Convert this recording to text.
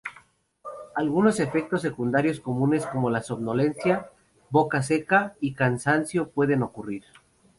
Algunos efectos secundarios comunes como somnolencia, boca seca, y cansancio pueden ocurrir.